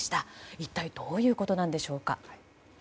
一体どういうことなんでしょうか。